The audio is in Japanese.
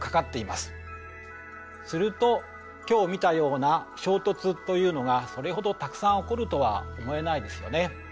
すると今日見たような衝突というのがそれほどたくさん起こるとは思えないですよね。